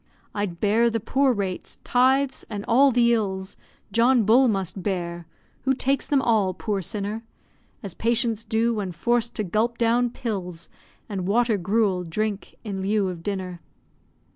I'd bear the poor rates, tithes, and all the ills John Bull must bear, (who takes them all, poor sinner! As patients do, when forced to gulp down pills, And water gruel drink in lieu of dinner).